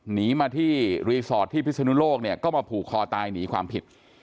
หนีมาที่รีสอร์ทที่พิศนุโลกเนี่ยก็มาผูกคอตายหนีความผิด